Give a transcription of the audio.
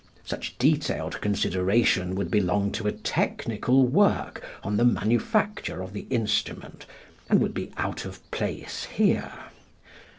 Such detailed consideration would belong to a technical work on the manufacture of the instrument and would be out of place here.